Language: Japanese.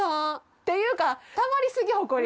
っていうか。